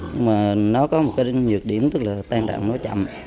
nhưng mà nó có một cái nhược điểm tức là tan rạng nó chậm